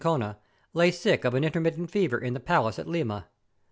Chinchon, lay sick of an intermittent fever in the palace at Lima.